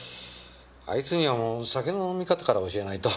あいつには酒の飲み方から教えないと。